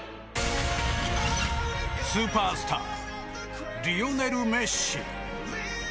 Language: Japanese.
スーパースターリオネル・メッシ。